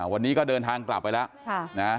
วันนี้ก็เดินทางกลับไปแล้ว